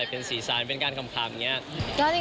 เป็นสีสารเป็นการขำอย่างนี้